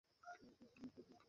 তুমি খুব আদুরে!